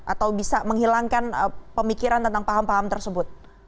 atau bisa menghilangkan pemikiran tentang paham paham tersebut